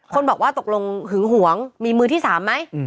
คนบอกว่าตกลงหึงหวงมีมือที่๓ไหม